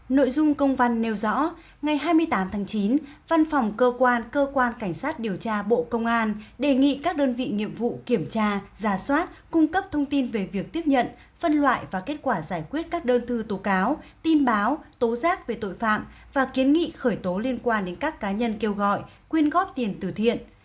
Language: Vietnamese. nội dung công văn nêu rõ ngày hai mươi tám chín văn phòng cơ quan cơ quan cảnh sát điều tra bộ công an đề nghị các đơn vị nghiệp vụ kiểm tra giả soát cung cấp thông tin về việc tiếp nhận phân loại và kết quả giải quyết các đơn thư tố cáo tin báo tố giác về tội phạm và kiến nghị khởi tố liên quan đến các cá nhân kêu gọi quyên góp tiền từ thiện